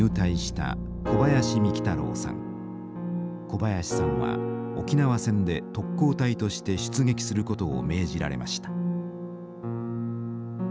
小林さんは沖縄戦で特攻隊として出撃することを命じられました。